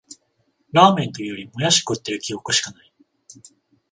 ラーメンというより、もやし食ってる記憶しかない